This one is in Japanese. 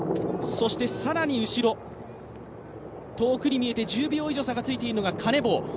そして更に後ろ、遠くに見えて１０秒以上差がついているのがカネボウ。